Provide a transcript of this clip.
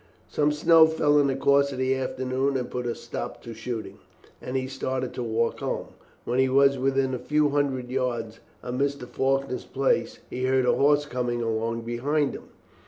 Some snow fell in the course of the afternoon and put a stop to shooting, and he started to walk home. When he was within a few hundred yards of Mr. Faulkner's place he heard a horse coming along behind him.